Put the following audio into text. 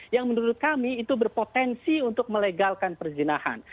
yang menurut kami itu berpotensi untuk melegalkan perzinahan